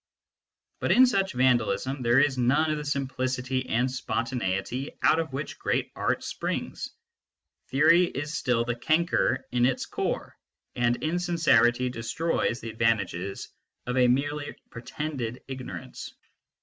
But in such vandalism there is none of the simplicity and spontaneity out of which great art springs : theory is still the canker in its core, and insincerity destroys the advantages of a merely pretended ignorance.